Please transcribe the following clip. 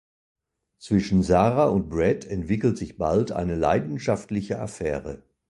Zwischen Sarah und Brad entwickelt sich bald eine leidenschaftliche Affäre.